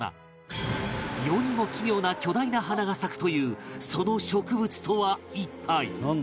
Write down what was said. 世にも奇妙な巨大な花が咲くというその植物とは一体？